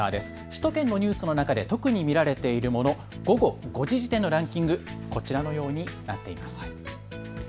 首都圏のニュースの中で特に見られているもの、午後５時時点のランキング、こちらのようになっています。